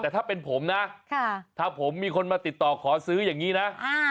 แต่ถ้าเป็นผมนะถ้าผมมีคนมาติดต่อขอซื้ออย่างนี้นะ